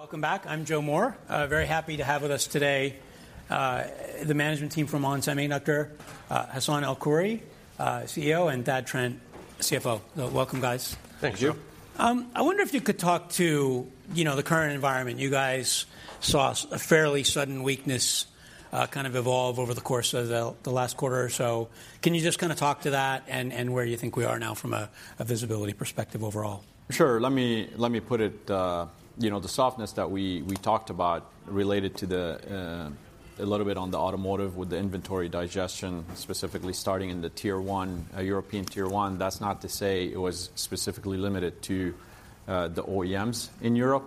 Welcome back. I'm Joe Moore. Very happy to have with us today, the management team from ON Semiconductor, Hassane El-Khoury, CEO, and Thad Trent, CFO. Welcome, guys. Thank you. Thanks, Joe. I wonder if you could talk to, you know, the current environment. You guys saw a fairly sudden weakness, kind of evolve over the course of the last quarter or so. Can you just kind of talk to that and where you think we are now from a visibility perspective overall? Sure. Let me, let me put it, you know, the softness that we, we talked about related to the, a little bit on the automotive with the inventory digestion, specifically starting in the Tier 1, European Tier 1. That's not to say it was specifically limited to, the OEMs in Europe,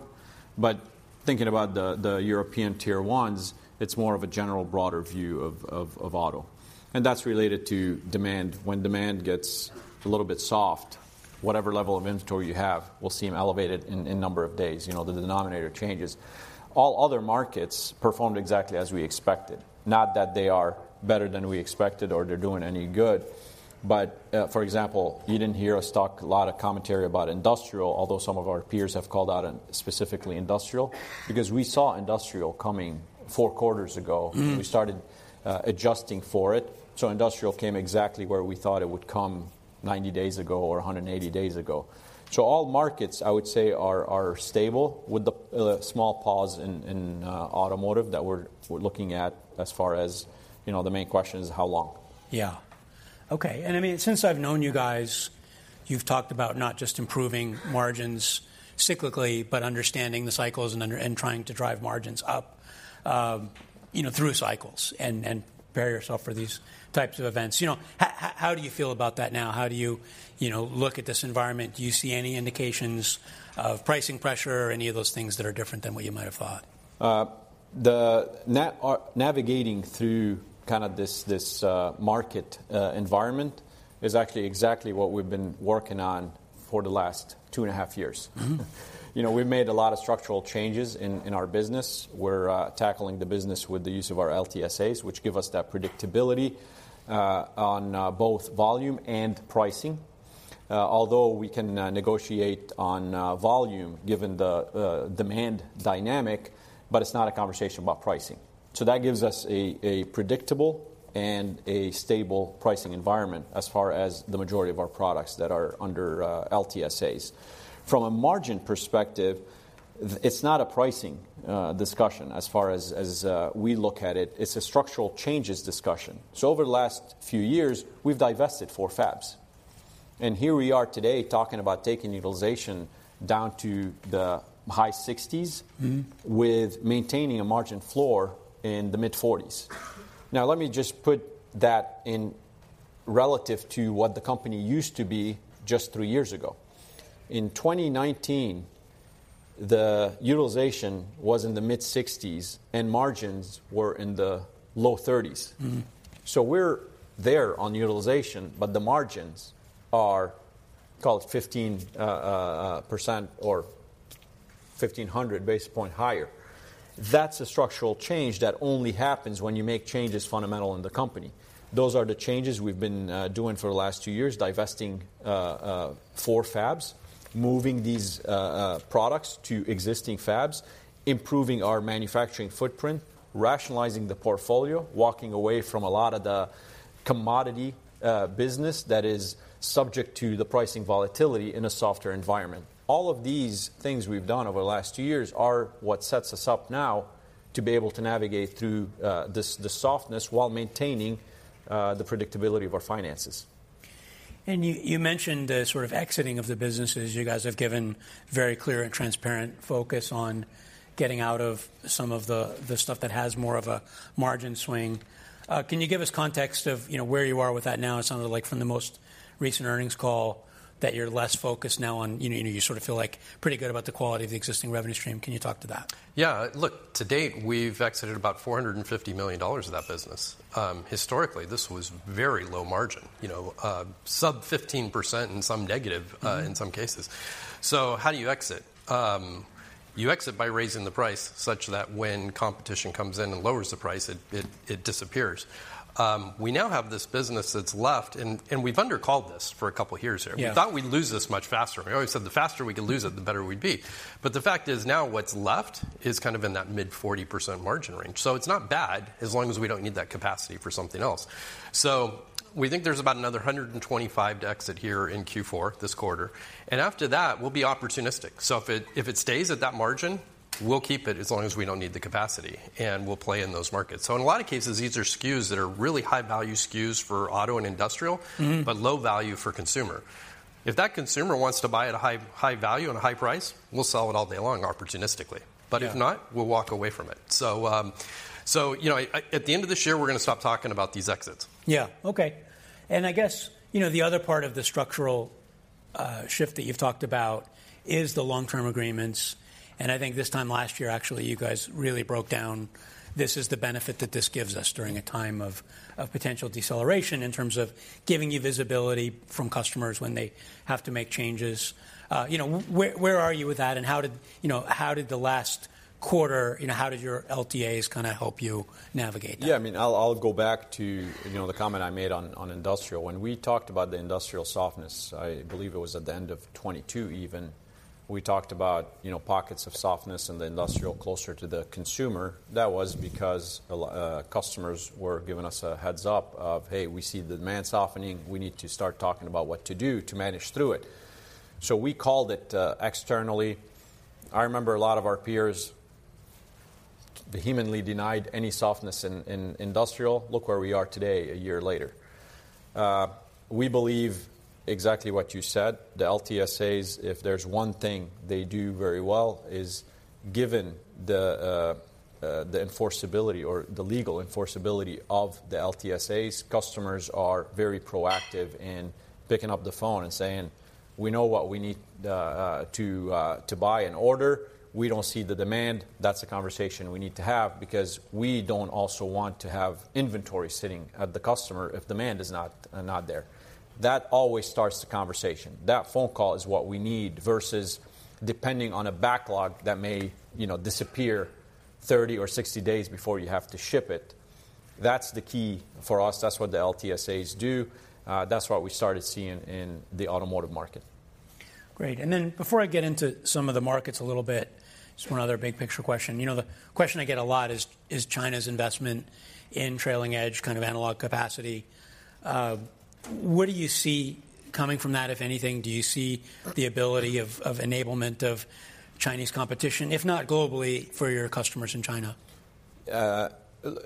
but thinking about the, the European Tier Ones, it's more of a general broader view of, of, of auto, and that's related to demand. When demand gets a little bit soft, whatever level of inventory you have will seem elevated in, in number of days. You know, the denominator changes. All other markets performed exactly as we expected. Not that they are better than we expected or they're doing any good, but, for example, you didn't hear us talk a lot of commentary about industrial, although some of our peers have called out on specifically industrial, because we saw industrial coming four quarters ago. Mm-hmm. We started adjusting for it, so industrial came exactly where we thought it would come 90 days ago or 180 days ago. So all markets, I would say, are stable, with the small pause in automotive that we're looking at, as far as, you know, the main question is: How long? Yeah. Okay, and, I mean, since I've known you guys, you've talked about not just improving margins cyclically, but understanding the cycles and under- and trying to drive margins up, you know, through cycles and, and prepare yourself for these types of events. You know, how do you feel about that now? How do you, you know, look at this environment? Do you see any indications of pricing pressure or any of those things that are different than what you might have thought? Navigating through kind of this market environment is actually exactly what we've been working on for the last two and a half years. Mm-hmm. You know, we've made a lot of structural changes in our business. We're tackling the business with the use of our LTSAs, which give us that predictability on both volume and pricing. Although we can negotiate on volume, given the demand dynamic, but it's not a conversation about pricing. So that gives us a predictable and a stable pricing environment as far as the majority of our products that are under LTSAs. From a margin perspective, it's not a pricing discussion, as far as we look at it. It's a structural changes discussion. So over the last few years, we've divested four fabs, and here we are today talking about taking utilization down to the high 60s. Mm-hmm.. with maintaining a margin floor in the mid-40s. Now, let me just put that in relative to what the company used to be just three years ago. In 2019, the utilization was in the mid-60s, and margins were in the low 30s. Mm-hmm. So we're there on utilization, but the margins are called 15% or 1,500 basis points higher. That's a structural change that only happens when you make changes fundamental in the company. Those are the changes we've been doing for the last two years, divesting four fabs, moving these products to existing fabs, improving our manufacturing footprint, rationalizing the portfolio, walking away from a lot of the commodity business that is subject to the pricing volatility in a softer environment. All of these things we've done over the last two years are what sets us up now to be able to navigate through the softness while maintaining the predictability of our finances. You mentioned the sort of exiting of the businesses. You guys have given very clear and transparent focus on getting out of some of the stuff that has more of a margin swing. Can you give us context of, you know, where you are with that now? It sounded like from the most recent earnings call, that you're less focused now on you know, you sort of feel, like, pretty good about the quality of the existing revenue stream. Can you talk to that? Yeah. Look, to date, we've exited about $450 million of that business. Historically, this was very low margin, you know, sub 15% and some negative in some cases. So how do you exit? You exit by raising the price such that when competition comes in and lowers the price, it disappears. We now have this business that's left, and we've undercalled this for a couple of years here. Yeah. We thought we'd lose this much faster. We always said, the faster we could lose it, the better we'd be. But the fact is, now what's left is kind of in that mid-40% margin range, so it's not bad, as long as we don't need that capacity for something else. So we think there's about another $125 to exit here in Q4, this quarter, and after that, we'll be opportunistic. So if it, if it stays at that margin, we'll keep it as long as we don't need the capacity, and we'll play in those markets. So in a lot of cases, these are SKUs that are really high-value SKUs for auto and industrial, Mm-hmm but low value for consumer. If that consumer wants to buy at a high, high value and a high price, we'll sell it all day long, opportunistically. Yeah. But if not, we'll walk away from it. So, you know, at the end of this year, we're gonna stop talking about these exits. Yeah. Okay. And I guess, you know, the other part of the structural shift that you've talked about is the long-term agreements, and I think this time last year, actually, you guys really broke down this is the benefit that this gives us during a time of potential deceleration in terms of giving you visibility from customers when they have to make changes. You know, where are you with that, and how did, you know, how did the last quarter, you know, how did your LTAs kind of help you navigate that? Yeah, I mean, I'll go back to, you know, the comment I made on, on industrial. When we talked about the industrial softness, I believe it was at the end of 2022 even, we talked about, you know, pockets of softness in the industrial closer to the consumer. That was because customers were giving us a heads-up of, "Hey, we see the demand softening. We need to start talking about what to do to manage through it." So we called it externally. I remember a lot of our peers vehemently denied any softness in, in industrial. Look where we are today, a year later. We believe exactly what you said, the LTSAs, if there's one thing they do very well, is, given the enforceability or the legal enforceability of the LTSAs, customers are very proactive in picking up the phone and saying, "We know what we need to buy and order. We don't see the demand." That's a conversation we need to have because we don't also want to have inventory sitting at the customer if demand is not there. That always starts the conversation. That phone call is what we need, versus depending on a backlog that may, you know, disappear 30 or 60 days before you have to ship it. That's the key for us. That's what the LTSAs do. That's what we started seeing in the automotive market. Great, and then before I get into some of the markets a little bit, just one other big-picture question. You know, the question I get a lot is, China's investment in trailing-edge kind of analog capacity, what do you see coming from that, if anything? Do you see the ability of enablement of Chinese competition, if not globally, for your customers in China?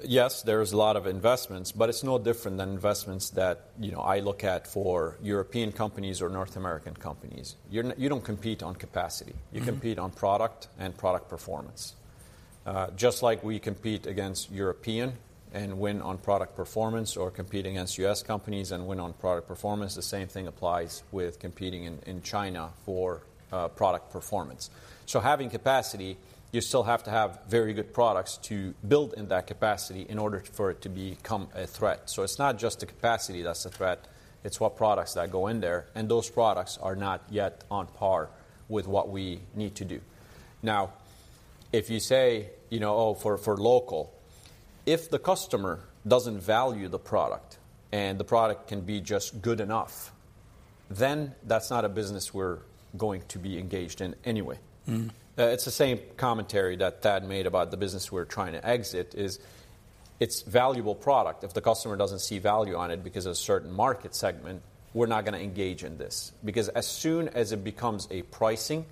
Yes, there's a lot of investments, but it's no different than investments that, you know, I look at for European companies or North American companies. You don't compete on capacity. Mm-hmm. You compete on product and product performance. Just like we compete against European and win on product performance or compete against U.S. companies and win on product performance, the same thing applies with competing in, in China for product performance. So having capacity, you still have to have very good products to build in that capacity in order for it to become a threat. So it's not just the capacity that's a threat, it's what products that go in there, and those products are not yet on par with what we need to do. Now, if you say, you know, oh, for, for local, if the customer doesn't value the product, and the product can be just good enough, then that's not a business we're going to be engaged in anyway. Mm-hmm. It's the same commentary that Thad made about the business we're trying to exit, is it's valuable product. If the customer doesn't see value on it because of a certain market segment, we're not gonna engage in this. Because as soon as it becomes a pricing,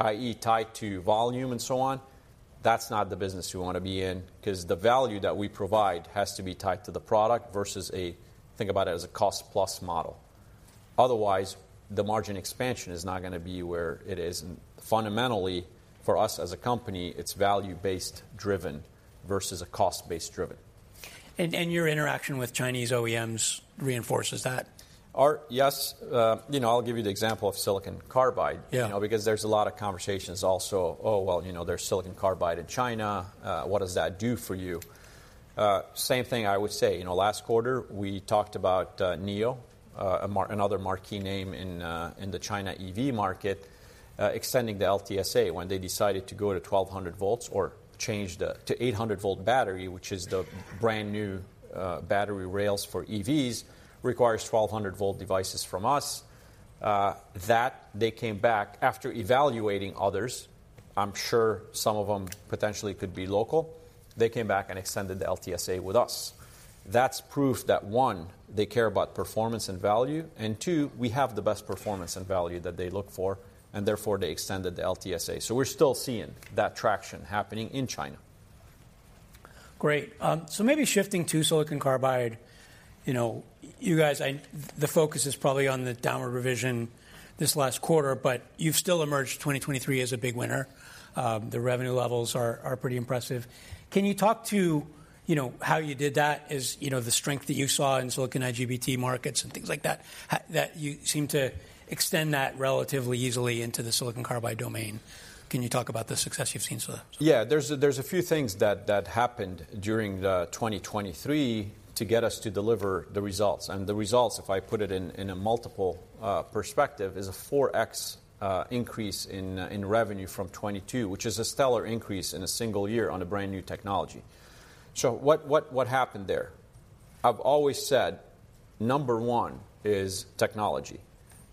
i.e., tied to volume and so on, that's not the business we wanna be in, 'cause the value that we provide has to be tied to the product versus a..think about it as a cost-plus model. Otherwise, the margin expansion is not gonna be where it is. And fundamentally, for us as a company, it's value-based driven versus a cost-based driven. your interaction with Chinese OEMs reinforces that? Yes. You know, I'll give you the example of silicon carbide- Yeah. You know, because there's a lot of conversations also: "Oh, well, you know, there's silicon carbide in China. What does that do for you?" Same thing I would say. You know, last quarter, we talked about NIO, another marquee name in the China EV market, extending the LTSA when they decided to go to 1,200 volts or change to 800-volt battery, which is the brand-new battery rails for EVs, requires 1,200-volt devices from us. That, they came back after evaluating others, I'm sure some of them potentially could be local, they came back and extended the LTSA with us. That's proof that, one, they care about performance and value, and two, we have the best performance and value that they look for, and therefore, they extended the LTSA. So we're still seeing that traction happening in China. Great. So maybe shifting to silicon carbide, you know, you guys, the focus is probably on the downward revision this last quarter, but you've still emerged 2023 as a big winner. The revenue levels are pretty impressive. Can you talk to, you know, how you did that? As, you know, the strength that you saw in silicon IGBT markets and things like that, that you seemed to extend that relatively easily into the silicon carbide domain. Can you talk about the success you've seen so far? Yeah. There's a few things that happened during 2023 to get us to deliver the results. And the results, if I put it in a multiple perspective, is a 4x increase in revenue from 2022, which is a stellar increase in a single year on a brand-new technology. So what happened there? I've always said, number one is technology.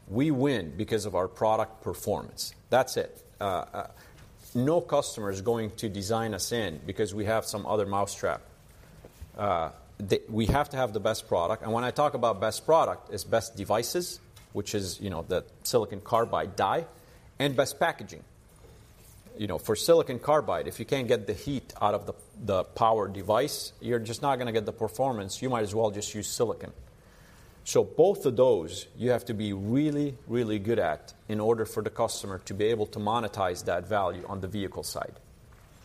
We win because of our product performance. That's it. No customer is going to design us in because we have some other mousetrap. We have to have the best product, and when I talk about best product, it's best devices, which is, you know, the silicon carbide die, and best packaging. You know, for silicon carbide, if you can't get the heat out of the power device, you're just not gonna get the performance. You might as well just use silicon. So both of those, you have to be really, really good at in order for the customer to be able to monetize that value on the vehicle side.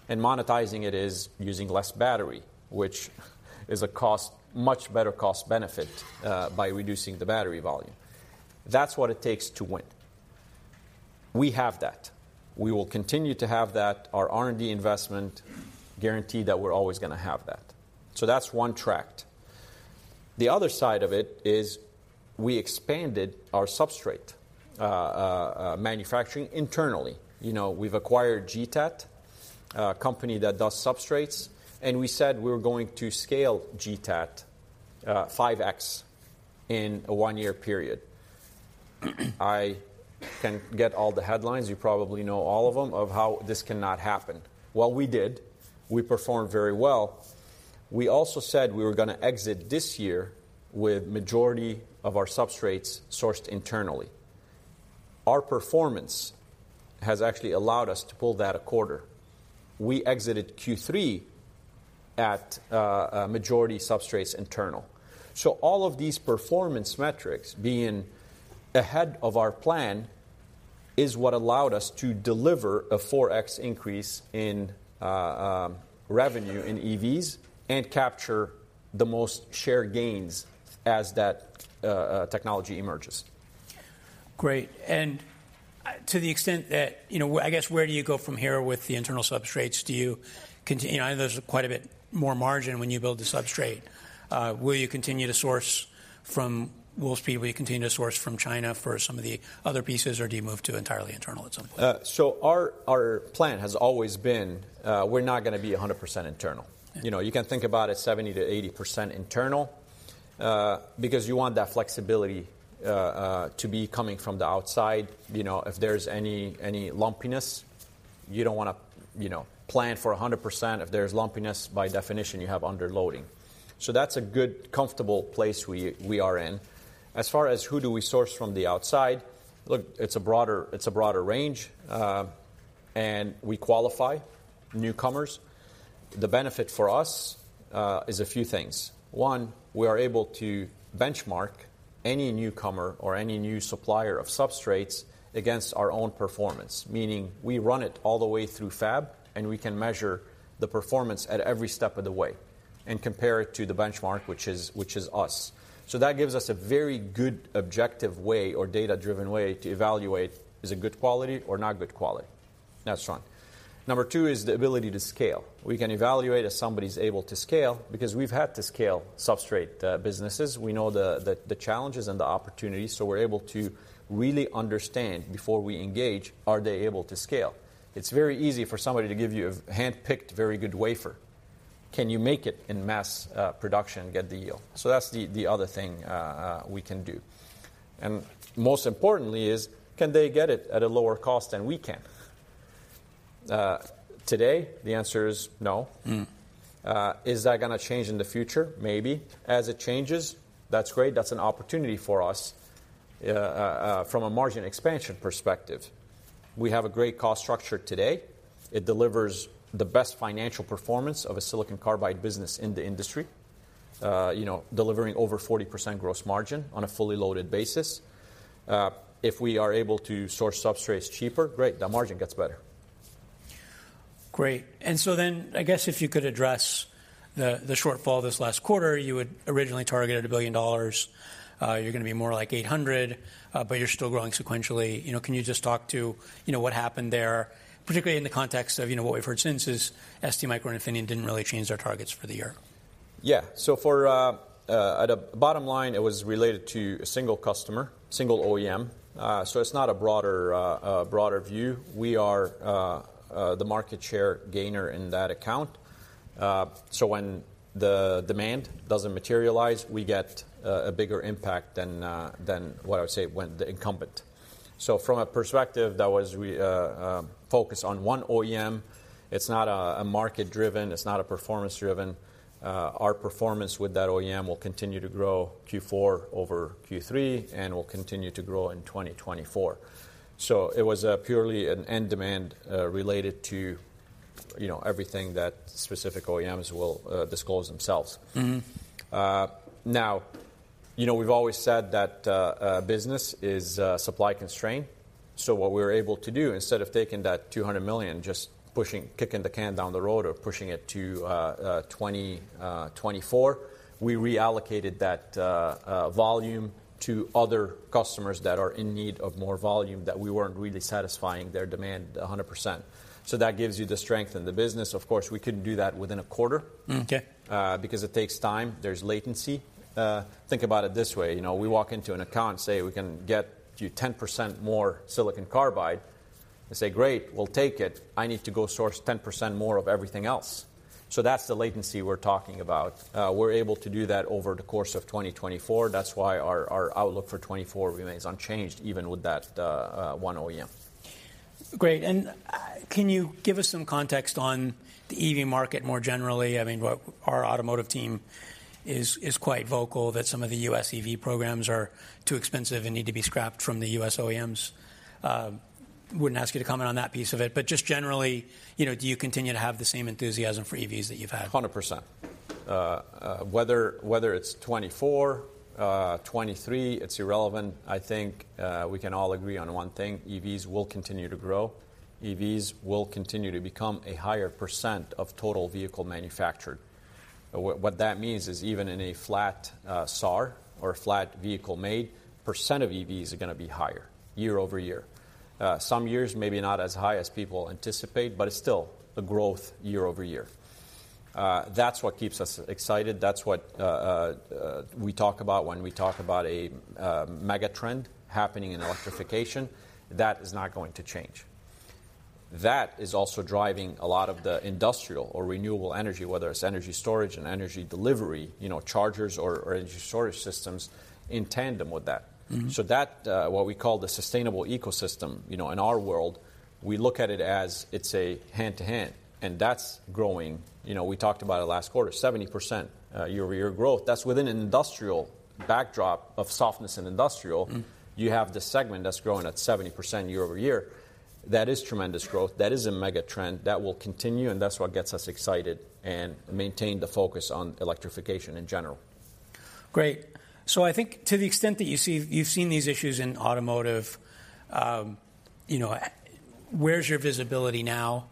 And monetizing it is using less battery, which is a cost, much better cost benefit by reducing the battery volume. That's what it takes to win. We have that. We will continue to have that. Our R&D investment guarantee that we're always gonna have that. So that's one track. The other side of it is we expanded our substrate manufacturing internally. You know, we've acquired GTAT, a company that does substrates, and we said we were going to scale GTAT 5x in a one-year period. I can get all the headlines, you probably know all of them, of how this cannot happen. Well, we did. We performed very well. We also said we were gonna exit this year with majority of our substrates sourced internally. Our performance has actually allowed us to pull that a quarter. We exited Q3 at, a majority substrates internal. So all of these performance metrics being ahead of our plan is what allowed us to deliver a 4x increase in, revenue in EVs and capture the most share gains as that, technology emerges. Great. To the extent that You know, I guess, where do you go from here with the internal substrates? Do you continue? I know there's quite a bit more margin when you build the substrate. Will you continue to source from Wolfspeed, will you continue to source from China for some of the other pieces, or do you move to entirely internal at some point? So our plan has always been, we're not gonna be 100% internal. Yeah. You know, you can think about it 70%-80% internal, because you want that flexibility to be coming from the outside. You know, if there's any lumpiness, you don't wanna plan for 100%. If there's lumpiness, by definition, you have underloading. So that's a good, comfortable place we are in. As far as who do we source from the outside, look, it's a broader range, and we qualify newcomers. The benefit for us is a few things. One, we are able to benchmark any newcomer or any new supplier of substrates against our own performance, meaning we run it all the way through fab, and we can measure the performance at every step of the way and compare it to the benchmark, which is us. So that gives us a very good objective way or data-driven way to evaluate, is it good quality or not good quality? That's one. Number two is the ability to scale. We can evaluate if somebody's able to scale because we've had to scale substrate businesses. We know the challenges and the opportunities, so we're able to really understand, before we engage, are they able to scale? It's very easy for somebody to give you a handpicked, very good wafer. Can you make it in mass production and get the yield? So that's the other thing we can do. And most importantly is, can they get it at a lower cost than we can? Today, the answer is no. Mm. Is that gonna change in the future? Maybe. As it changes, that's great, that's an opportunity for us, from a margin expansion perspective. We have a great cost structure today. It delivers the best financial performance of a silicon carbide business in the industry, you know, delivering over 40% gross margin on a fully loaded basis. If we are able to source substrates cheaper, great, the margin gets better. Great. And so then, I guess if you could address the shortfall this last quarter, you had originally targeted $1 billion. You're gonna be more like $800 million, but you're still growing sequentially. You know, can you just talk to what happened there, particularly in the context of what we've heard since is STMicroelectronics didn't really change their targets for the year. Yeah. So, at a bottom line, it was related to a single customer, single OEM. So it's not a broader view. We are the market share gainer in that account. So when the demand doesn't materialize, we get a bigger impact than what I would say, when the incumbent. So from a perspective, that was. We focus on one OEM. It's not a market driven, it's not a performance driven. Our performance with that OEM will continue to grow Q4 over Q3 and will continue to grow in 2024. So it was purely an end demand related to, you know, everything that specific OEMs will disclose themselves. Mm-hmm. Now, you know, we've always said that business is supply constrained. So what we're able to do, instead of taking that $200 million, just pushing, kicking the can down the road or pushing it to 2024, we reallocated that volume to other customers that are in need of more volume, that we weren't really satisfying their demand 100%. So that gives you the strength in the business. Of course, we couldn't do that within a quarter- Mm. Okay. Because it takes time. There's latency. Think about it this way, you know, we walk into an account and say, "We can get you 10% more silicon carbide." They say, "Great, we'll take it. I need to go source 10% more of everything else." So that's the latency we're talking about. We're able to do that over the course of 2024. That's why our, our outlook for 2024 remains unchanged, even with that, one OEM. Great. Can you give us some context on the EV market more generally? I mean, our automotive team is quite vocal that some of the U.S. EV programs are too expensive and need to be scrapped from the U.S. OEMs. Wouldn't ask you to comment on that piece of it, but just generally, you know, do you continue to have the same enthusiasm for EVs that you've had? 100%. Whether it's 2024, 2023, it's irrelevant. I think we can all agree on one thing: EVs will continue to grow. EVs will continue to become a higher percent of total vehicle manufactured. What that means is, even in a flat SAAR or flat vehicle made, percent of EVs are gonna be higher year-over-year. Some years, maybe not as high as people anticipate, but it's still a growth year-over-year. That's what keeps us excited. That's what we talk about when we talk about a mega trend happening in electrification. That is not going to change. That is also driving a lot of the industrial or renewable energy, whether it's energy storage and energy delivery, you know, chargers or energy storage systems in tandem with that. Mm-hmm. So that, what we call the sustainable ecosystem, you know, in our world, we look at it as it's a hand-to-hand, and that's growing. You know, we talked about it last quarter, 70% year-over-year growth. That's within an industrial backdrop of softness in industrial. Mm. You have the segment that's growing at 70% year-over-year. That is tremendous growth. That is a mega trend. That will continue, and that's what gets us excited and maintain the focus on electrification in general. Great. So I think to the extent that you've seen these issues in automotive, you know, where's your visibility now?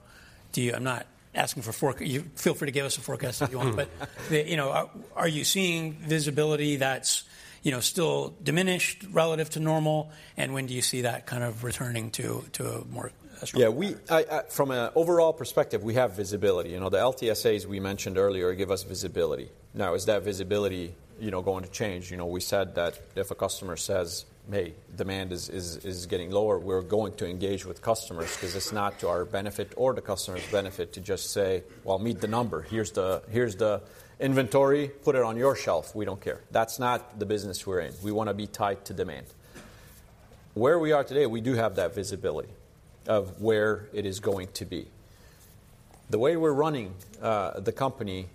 Do you I'm not asking for forecast. Feel free to give us a forecast if you want. But, you know, are you seeing visibility that's, you know, still diminished relative to normal? And when do you see that kind of returning to a more stronger path? Yeah, from an overall perspective, we have visibility. You know, the LTSAs we mentioned earlier give us visibility. Now, is that visibility, you know, going to change? You know, we said that if a customer says, "Hey, demand is getting lower," we're going to engage with customers. This not to our benefit or the customer's benefit to just say, "Well, meet the number. Here's the inventory. Put it on your shelf. We don't care." That's not the business we're in. We wanna be tied to demand. Where we are today, we do have that visibility of where it is going to be. The way we're running the company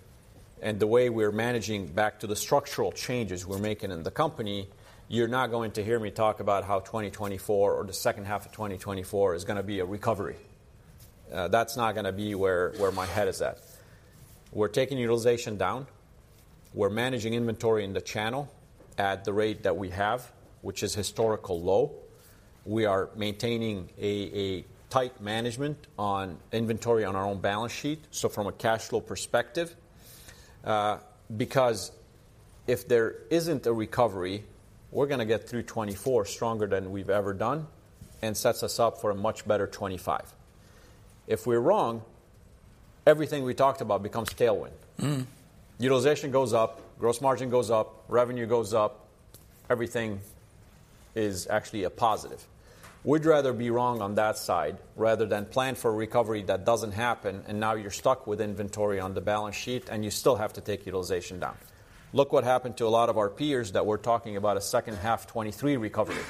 and the way we're managing, back to the structural changes we're making in the company, you're not going to hear me talk about how 2024 or the second half of 2024 is gonna be a recovery. That's not gonna be where my head is at. We're taking utilization down. We're managing inventory in the channel at the rate that we have, which is historical low. We are maintaining a tight management on inventory on our own balance sheet, so from a cash flow perspective, because if there isn't a recovery, we're gonna get through 2024 stronger than we've ever done and sets us up for a much better 2025. If we're wrong, everything we talked about becomes tailwind. Mm. Utilization goes up, gross margin goes up, revenue goes up. Everything is actually a positive. We'd rather be wrong on that side rather than plan for a recovery that doesn't happen, and now you're stuck with inventory on the balance sheet, and you still have to take utilization down. Look what happened to a lot of our peers that were talking about a second half 2023 recovery.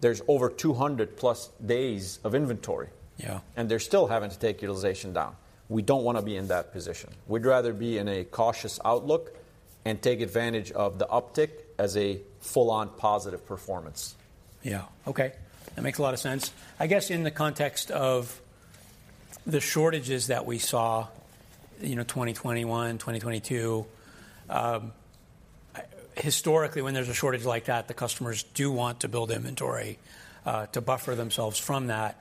There's over 200+ days of inventory. Yeah And they're still having to take utilization down. We don't wanna be in that position. We'd rather be in a cautious outlook and take advantage of the uptick as a full-on positive performance. Yeah. Okay, that makes a lot of sense. I guess in the context of the shortages that we saw, you know, 2021, 2022, historically, when there's a shortage like that, the customers do want to build inventory, to buffer themselves from that,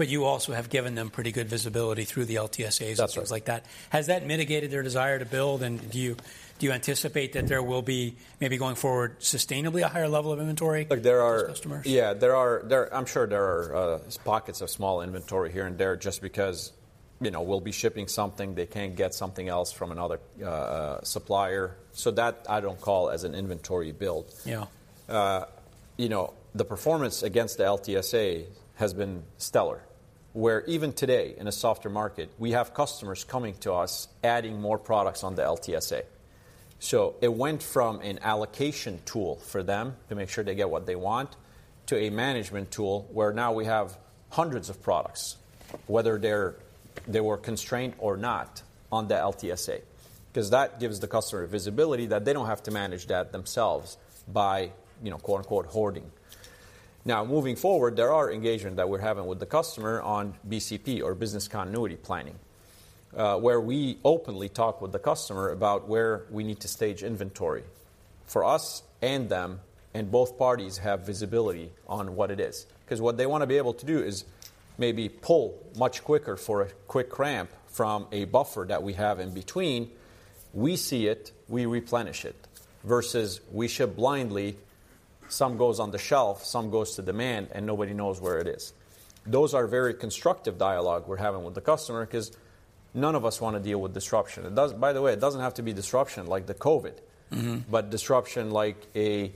but you also have given them pretty good visibility through the LTSAs. That's right And things like that. Has that mitigated their desire to build, and do you anticipate that there will be, maybe going forward sustainably, a higher level of inventory? Look, there are with customers? Yeah, there are. I'm sure there are pockets of small inventory here and there just because, you know, we'll be shipping something, they can't get something else from another supplier. So that I don't call as an inventory build. Yeah. You know, the performance against the LTSA has been stellar, where even today, in a softer market, we have customers coming to us, adding more products on the LTSA. So it went from an allocation tool for them to make sure they get what they want, to a management tool, where now we have hundreds of products, whether they were constrained or not on the LTSA. 'Cause that gives the customer visibility that they don't have to manage that themselves by, you know, quote, unquote, "hoarding." Now, moving forward, there are engagement that we're having with the customer on BCP or business continuity planning, where we openly talk with the customer about where we need to stage inventory for us and them, and both parties have visibility on what it is. 'Cause what they wanna be able to do is maybe pull much quicker for a quick ramp from a buffer that we have in between. We see it, we replenish it, versus we ship blindly, some goes on the shelf, some goes to demand, and nobody knows where it is. Those are very constructive dialogue we're having with the customer 'cause none of us wanna deal with disruption. It does- By the way, it doesn't have to be disruption like the COVID. Mm-hmm But disruption like a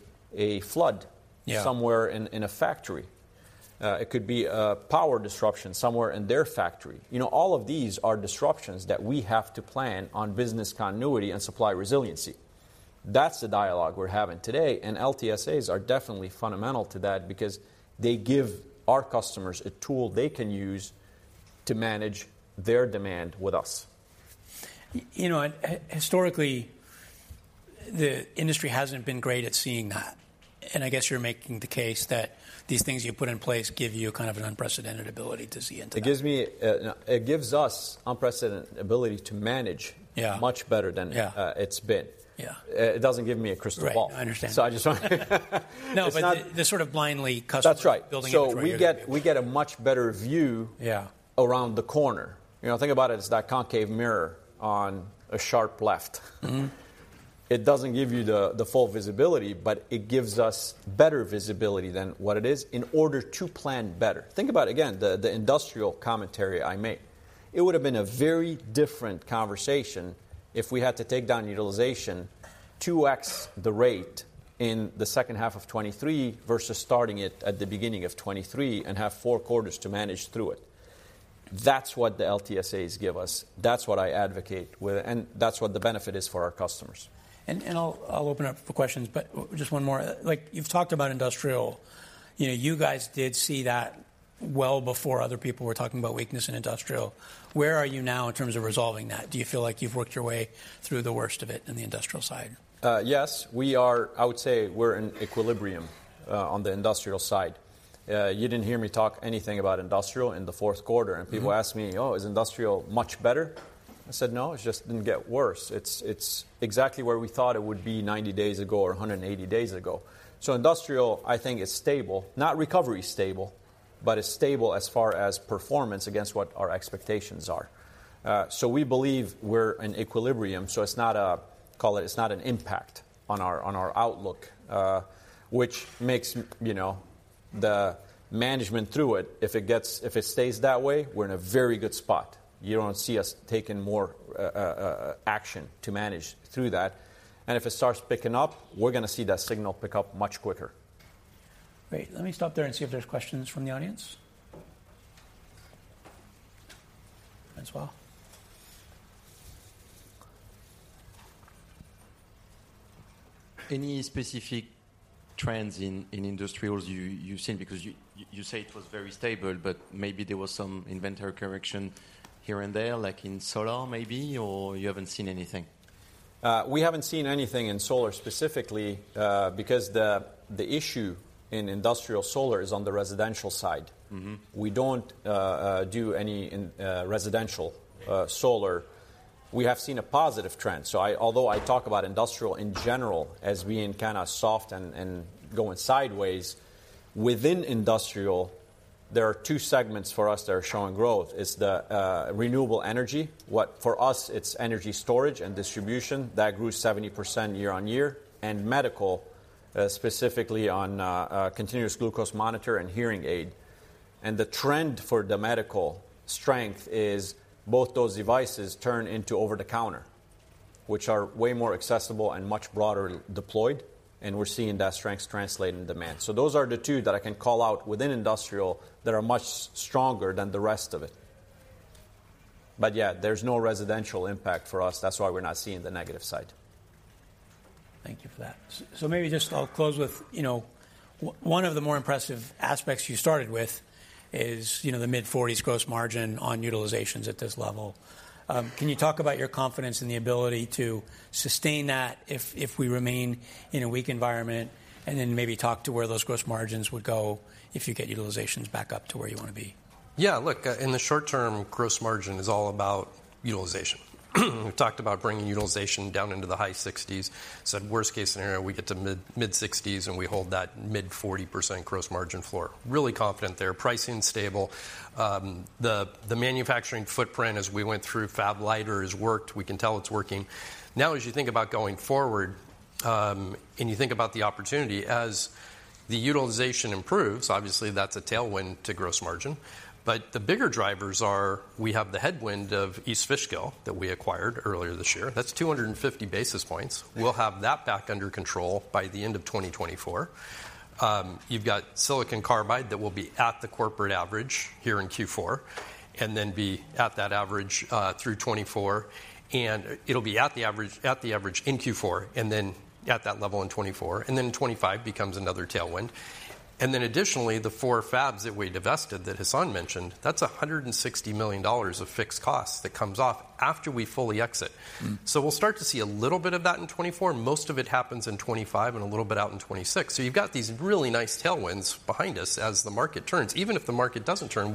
flood. Yeah Somewhere in a factory. It could be a power disruption somewhere in their factory. You know, all of these are disruptions that we have to plan on business continuity and supply resiliency. That's the dialogue we're having today, and LTSAs are definitely fundamental to that because they give our customers a tool they can use to manage their demand with us. You know, historically, the industry hasn't been great at seeing that, and I guess you're making the case that these things you put in place give you kind of an unprecedented ability to see into that. It gives me, you know, it gives us unprecedented ability to manage Yeah Much better than Yeah it's been. Yeah. It doesn't give me a crystal ball. Right. I understand. So, I just want. It's not. No, but the sort of blindly customer That's right building inventory. So we get a much better view Yeah around the corner. You know, think about it as that concave mirror on a sharp left. Mm-hmm. It doesn't give you the full visibility, but it gives us better visibility than what it is in order to plan better. Think about, again, the industrial commentary I made. It would have been a very different conversation if we had to take down utilization 2x the rate in the second half of 2023 versus starting it at the beginning of 2023 and have four quarters to manage through it. That's what the LTSAs give us. That's what I advocate with, and that's what the benefit is for our customers. And I'll open up for questions, but just one more. Like, you've talked about industrial. You know, you guys did see that well before other people were talking about weakness in industrial. Where are you now in terms of resolving that? Do you feel like you've worked your way through the worst of it in the industrial side? Yes. We are, I would say, we're in equilibrium on the industrial side. You didn't hear me talk anything about industrial in the fourth quarter. Mm-hmm. People ask me, "Oh, is industrial much better?" I said, "No, it just didn't get worse." It's exactly where we thought it would be 90 days ago or 180 days ago. So industrial, I think, is stable. Not recovery stable, but it's stable as far as performance against what our expectations are. So we believe we're in equilibrium, so it's not a, call it, it's not an impact on our outlook. Which makes, you know, the management through it, if it stays that way, we're in a very good spot. You don't see us taking more action to manage through that. And if it starts picking up, we're gonna see that signal pick up much quicker. Great. Let me stop there and see if there's questions from the audience. [Anyone]? Any specific trends in industrials you've seen? Because you say it was very stable, but maybe there was some inventory correction here and there, like in solar maybe, or you haven't seen anything? We haven't seen anything in solar specifically, because the issue in industrial solar is on the residential side. Mm-hmm. We don't do any in residential solar. We have seen a positive trend. So although I talk about industrial in general as being kinda soft and going sideways, within industrial, there are two segments for us that are showing growth: the renewable energy. What for us, it's energy storage and distribution. That grew 70% year-over-year, and medical, specifically on continuous glucose monitor and hearing aid. And the trend for the medical strength is both those devices turn into over-the-counter, which are way more accessible and much broader deployed, and we're seeing that strength translate in demand. So those are the two that I can call out within industrial that are much stronger than the rest of it. But yeah, there's no residential impact for us. That's why we're not seeing the negative side. Thank you for that. So maybe just I'll close with, you know, one of the more impressive aspects you started with is, you know, the mid-40s gross margin on utilizations at this level. Can you talk about your confidence in the ability to sustain that if we remain in a weak environment, and then maybe talk to where those gross margins would go if you get utilizations back up to where you want to be? Yeah, look, in the short term, gross margin is all about utilization. We've talked about bringing utilization down into the high 60s. So worst case scenario, we get to mid-60s, and we hold that mid-40% gross margin floor. Really confident there, pricing stable. The manufacturing footprint as we went through Fab Liter has worked. We can tell it's working. Now, as you think about going forward, and you think about the opportunity, as the utilization improves, obviously that's a tailwind to gross margin. But the bigger drivers are, we have the headwind of East Fishkill that we acquired earlier this year. That's 250 basis points. We'll have that back under control by the end of 2024. You've got silicon carbide that will be at the corporate average here in Q4, and then be at that average through 2024. It'll be at the average, at the average in Q4, and then at that level in 2024, and then 2025 becomes another tailwind. Then additionally, the four fabs that we divested, that Hassane mentioned, that's $160 million of fixed costs that comes off after we fully exit. Mm. So we'll start to see a little bit of that in 2024, and most of it happens in 2025 and a little bit out in 2026. So you've got these really nice tailwinds behind us as the market turns. Even if the market doesn't turn,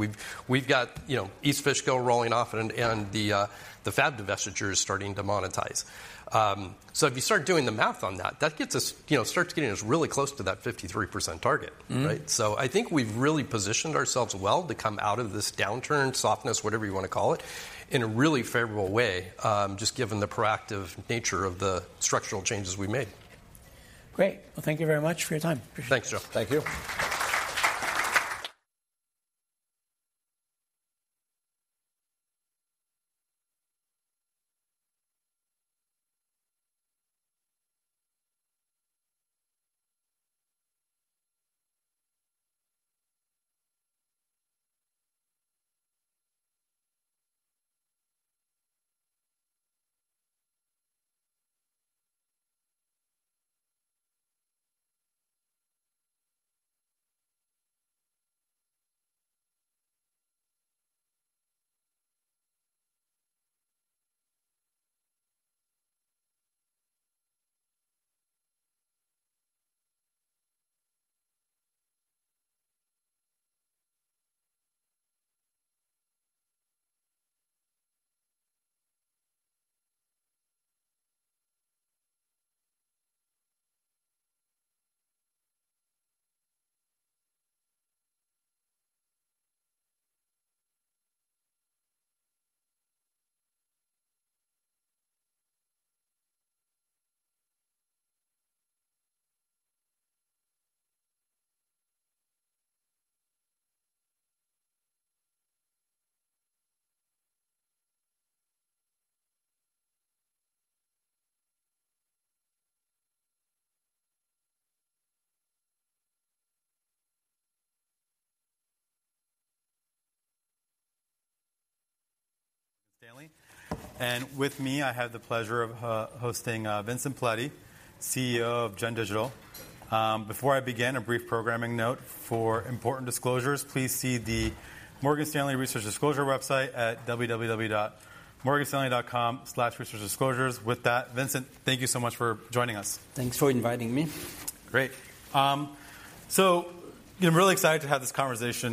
we've got, you know, East Fishkill rolling off and the fab divestiture is starting to monetize. So if you start doing the math on that, that gets us, you know, starts getting us really close to that 53% target. Mm. Right? So I think we've really positioned ourselves well to come out of this downturn, softness, whatever you wanna call it, in a really favorable way, just given the proactive nature of the structural changes we made. Great. Well, thank you very much for your time. Appreciate it. Thanks, Joe. Thank you. Stanley. And with me, I have the pleasure of hosting Vincent Pilette, CEO of Gen Digital. Before I begin, a brief programming note: For important disclosures, please see the Morgan Stanley Research Disclosure website at www.morganstanley.com/researchdisclosures. With that, Vincent, thank you so much for joining us. Thanks for inviting me. Great. So I'm really excited to have this conversation-